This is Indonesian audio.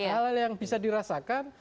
hal yang bisa dirasakan